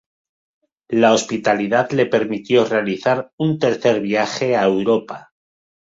La hospitalidad le permitió realizar un tercer viaje a Europa.